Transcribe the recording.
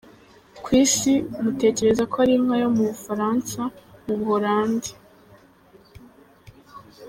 Ku isi, mutekereza ko ari inka yo mu Bufaransa, mu Buholandi.